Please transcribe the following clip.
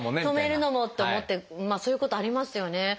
「止めるのも」って思ってまあそういうことありますよね。